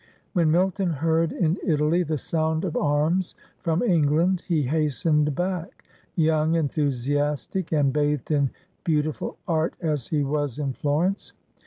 When Milton heard, in Italy, the sound of arms from England, he hastened back — young, enthu siastic, and bathed in beautiful art as he was in Flor ence.